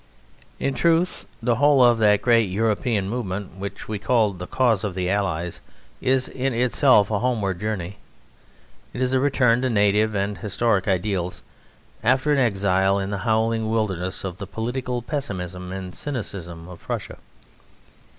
In truth the whole of that great European movement which we call the cause of the Allies is in itself a homeward journey. It is a return to native and historic ideals, after an exile in the howling wilderness of the political pessimism and cynicism of Prussia.